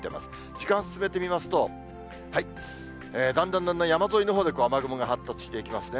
時間進めてみますと、だんだんだんだん山沿いのほうで雨雲が発達していきますね。